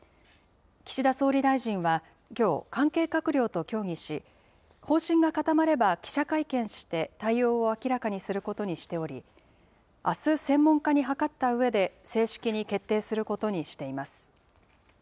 岸田総理大臣は、きょう、関係閣僚と協議し、方針が固まれば記者会見して、対応を明らかにすることにしており、あす、専門家に諮ったうえで、正式に決定することにしています。